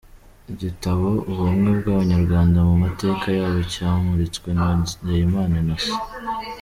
Igitabo Ubumwe bw’abanyarwanda mu mateka yabo cyamuritswe na Nizeyimana Innocent.